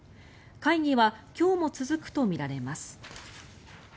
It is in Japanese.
会議は今日も続くとみられます。